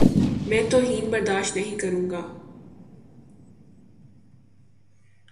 میں توہین برداشت نہیں کروں گا۔